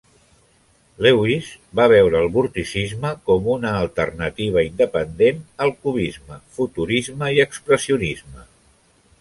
Lewis va veure el vorticisme com una alternativa independent al cubisme, futurisme i expressionisme.